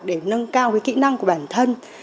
để nâng cao cái kĩ năng của bản thân